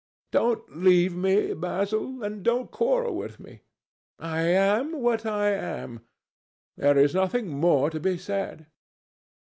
Don't leave me, Basil, and don't quarrel with me. I am what I am. There is nothing more to be said."